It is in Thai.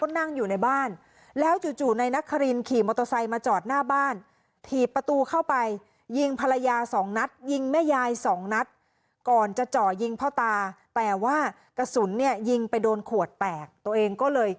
ก็นั่งอยู่ในบ้านแล้วจู่นายนักขรินขี่มอเตอร์ไซต์มาจอดหน้าบ้าน